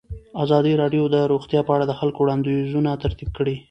ازادي راډیو د روغتیا په اړه د خلکو وړاندیزونه ترتیب کړي.